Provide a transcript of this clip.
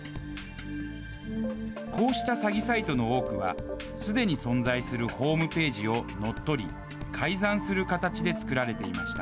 こうした詐欺サイトの多くは、すでに存在するホームページを乗っ取り、改ざんする形で作られていました。